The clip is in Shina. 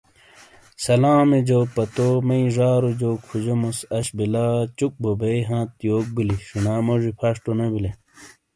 سلام جو پتو مئی ژاروجو کھجومس آش بلہ چُک بو بئیی ہانت یوک بلی شنا موژی فش تو نے بلے ؟